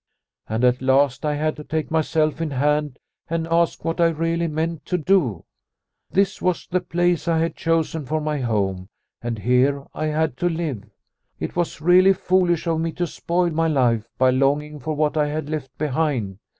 And at last I had to take myself in hand and ask what I really meant to do. This was the place I had chosen for my home, and here I had to live. It was really foolish of me to spoil my life by longing for what I had left behind.